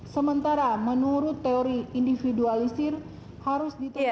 sementara menurut teori individualisir harus ditentukan